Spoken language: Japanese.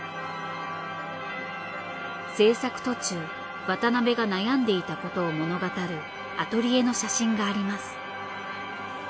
制作途中渡辺が悩んでいたことを物語るアトリエの写真があります。